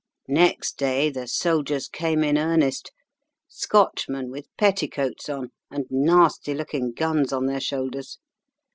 "Next day the soldiers came in earnest: Scotchmen with petticoats on, and nasty looking guns on their shoulders.